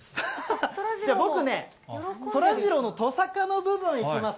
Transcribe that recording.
じゃあ、僕ね、そらジローのとさかの部分いきます。